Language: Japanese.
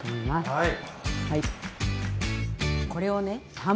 はい。